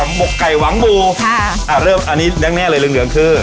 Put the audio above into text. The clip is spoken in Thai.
หมกไก่หวังบูค่ะอ่าเริ่มอันนี้แรกแน่เลยเหลืองเหลืองคือ